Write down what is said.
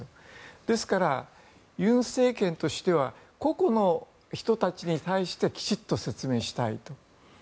ですから、尹政権としては個々の人たちに対してきちんと説明したいと。